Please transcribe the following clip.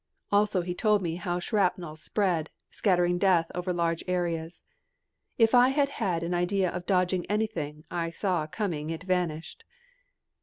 Also he told me how shrapnel spread, scattering death over large areas. If I had had an idea of dodging anything I saw coming it vanished.